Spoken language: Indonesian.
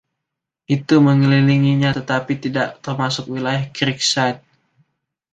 Itu mengelilinginya tetapi tidak termasuk wilayah Creekside.